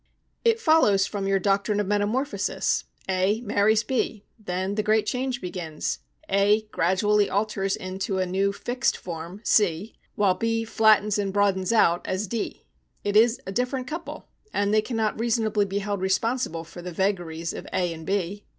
"It follows from your doctrine of metamorphosis. A marries B. Then the great change begins. A gradually alters into a new fixed form, C, while B flattens and broadens out as D. It is a different couple, and they cannot reasonably be held responsible for the vagaries of A and B."